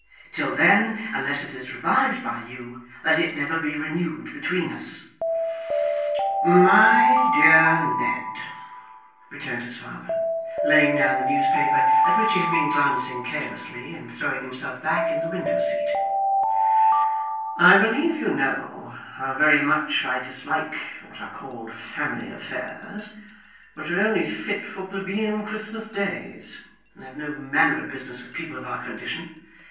Till then, unless it is revived by you, let it never be renewed between us.' 'My dear Ned,' returned his father, laying down the newspaper at which he had been glancing carelessly, and throwing himself back in the window seat, 'I believe you know how very much I dislike what are called family affairs, which are only fit for plebeian Christmas days, and have no manner of business with people of our condition.